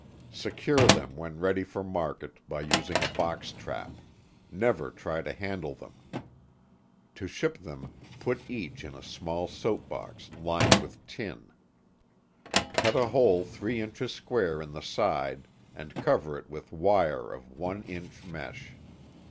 Secure them when ready for market, by using a box trap. Never try to handle them. To ship them, put each in a small soap box lined with tin. Cut a hole three inches square in the side and cover it with wire of one inch mesh.